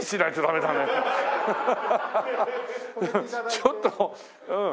ちょっとうん。